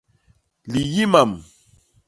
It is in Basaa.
Liyi mam.